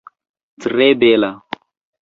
Tre bela!